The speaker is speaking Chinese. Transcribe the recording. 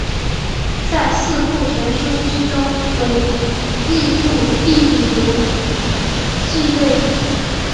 在四库全书之中为史部地理游记类。